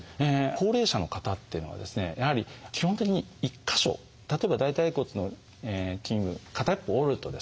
高齢者の方っていうのはですねやはり基本的に１か所例えば大腿骨の片一方を折るとですね